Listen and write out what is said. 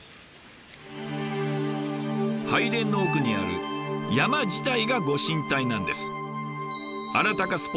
拝殿の奥にある山自体がご神体なんです。